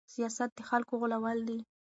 سياست د خلکو غولول دي.